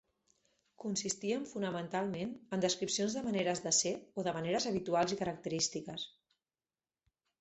Consistien fonamentalment en descripcions de maneres de ser o de maneres habituals i característiques.